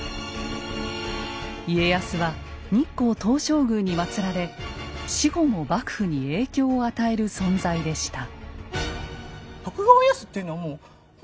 家康は日光東照宮に祭られ死後も幕府に影響を与える存在でした。